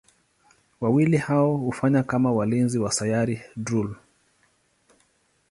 Wawili hao hufanya kama walinzi wa Sayari Drool.